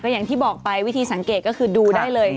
อย่างที่บอกไปวิธีสังเกตก็คือดูได้เลย